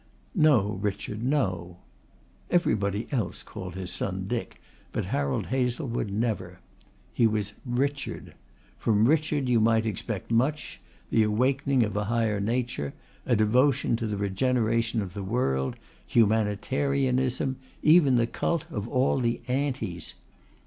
"No, Richard, no." Everybody else called his son Dick, but Harold Hazlewood never. He was Richard. From Richard you might expect much, the awakening of a higher nature, a devotion to the regeneration of the world, humanitarianism, even the cult of all the "antis."